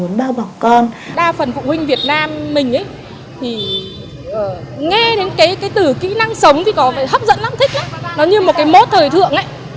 nó như một cái mốt thời thượng ấy